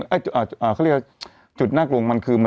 เขาเรียกว่าจุดน่ากลัวมันคือ